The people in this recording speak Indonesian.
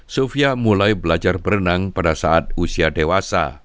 sofia mulai belajar berenang pada saat usia dewasa